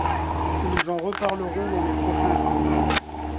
Nous en reparlerons dans les prochains jours.